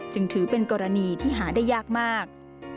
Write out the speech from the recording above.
จึงถือเป็นกรณีที่หาได้ยากมาก